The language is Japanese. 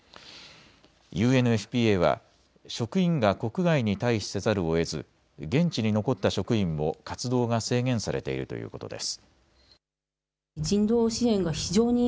ＵＮＦＰＡは職員が国外に退避せざるをえず現地に残った職員も活動が制限されているということです。